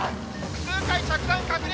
複数回着弾確認！